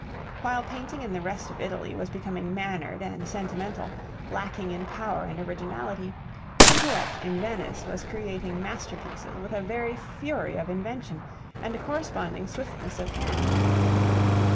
While painting in the rest of Italy was becoming mannered and sentimental, lacking in power and originality, Tintoret in Venice was creating masterpieces with a very fury of invention and a corresponding swiftness of hand.